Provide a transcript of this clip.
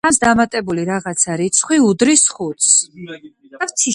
სამს დამატებული „რაღაცა“ რიცხვი უდრის ხუთს.